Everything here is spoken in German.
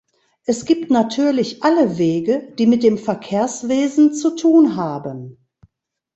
Es gibt natürlich alle Wege, die mit dem Verkehrswesen zu tun haben.